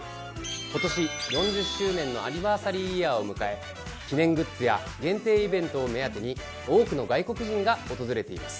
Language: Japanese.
今年４０周年のアニバーサリーイヤーを迎え記念グッズや限定イベントを目当てに多くの外国人が訪れています。